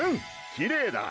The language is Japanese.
きれいだ。